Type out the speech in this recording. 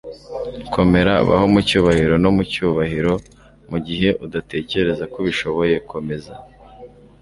komera. baho mu cyubahiro no mu cyubahiro. mugihe udatekereza ko ubishoboye, komeza